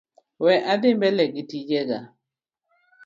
We adhi mbele gi tijega.